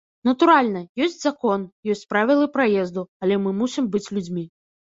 Натуральна, ёсць закон, ёсць правілы праезду, але мы мусім быць людзьмі.